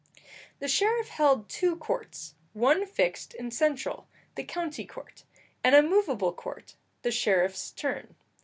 The sheriff held two courts one fixed and central, the county court; and a movable court, the sheriff's turn.